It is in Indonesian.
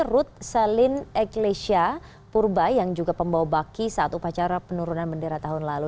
rut selin eklesya purba yang juga pembawa baki saat upacara penurunan bendera tahun lalu